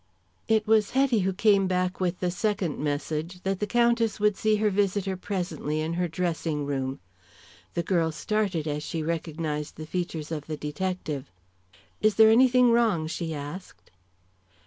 It was Hetty who came back with the second message that the Countess would see her visitor presently in her dressing room. The girl started as she recognized the features of the detective. "Is there anything wrong?" she asked.